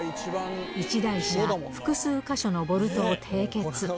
１台車、複数箇所のボルトを締結。